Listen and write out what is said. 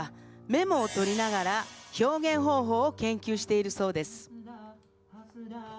メモを取りながら表現方法を研究しているそうです。